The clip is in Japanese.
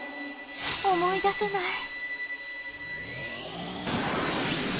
思い出せない。